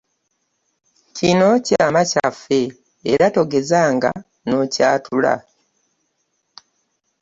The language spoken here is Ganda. Kino kyama kyaffe era togezanga n'okyatula.